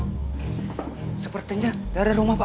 pak cepat panggil indukunnya pak